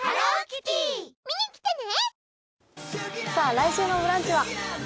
来週の「ブランチ」は？